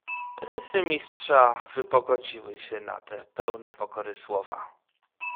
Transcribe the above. "Rysy mistrza wypogodziły się na te pełne pokory słowa."